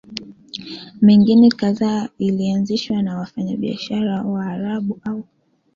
mingine kadhaa ilianzishwa na wafanyabiashara Waarabu au